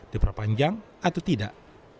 diperpanjang atau tidak